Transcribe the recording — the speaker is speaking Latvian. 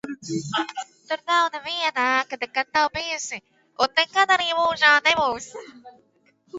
Tur nav neviena ēka nekad bijusi un nekad arī mūžā nebūs.